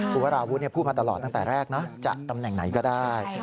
คุณวราวุฒิพูดมาตลอดตั้งแต่แรกนะจะตำแหน่งไหนก็ได้